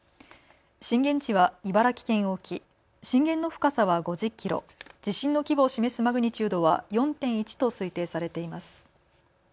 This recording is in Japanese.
震源地は茨城県沖震源の深さは５０キロ地震の規模を示すマグニチュードは４．１と推定されています。